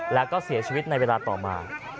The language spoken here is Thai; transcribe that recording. แล้วก็เสียชีวิตในเวลาต่อมา